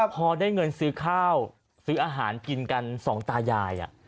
พอได้เงินซื้อข้าวซื้ออาหารกินกันสองตายาย